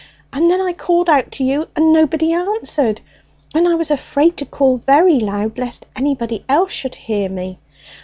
And then I called out to you, and nobody answered, and I was afraid to call very loud, lest anybody else should hear me.